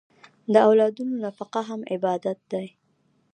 د اولادونو نفقه هم عبادت دی.